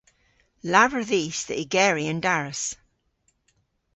Lavar dhis dhe ygeri an daras.